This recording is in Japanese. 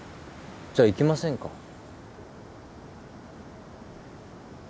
じゃあ行きませんか？